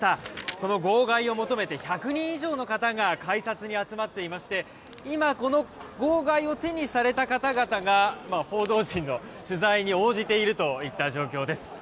この号外を求めて１００人以上が改札に集まっていまして今、この号外を手にされた方々が報道陣の取材に応じているといった状況です。